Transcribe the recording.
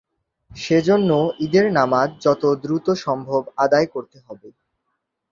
সেজন্য ঈদের নামাজ যত দ্রুত সম্ভব আদায় করতে হবে।